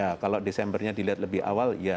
ya kalau desembernya dilihat lebih awal ya